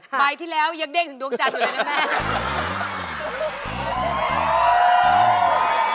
แม่ก็แบบไปที่แล้วเยอะเกิงด้วยดวงจันทร์อยู่แล้วนะแม่